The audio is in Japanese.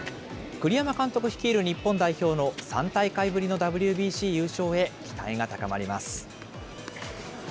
栗山監督率いる日本代表の３大会ぶりのＷＢＣ優勝へ期待が高まります。